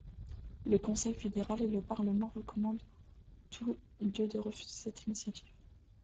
Le Conseil fédéral et le parlement recommandent tous deux de refuser cette initiative.